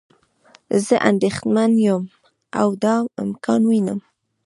زه اندیښمند یم او دا امکان وینم.